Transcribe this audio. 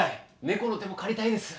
猫の手も借りたいです。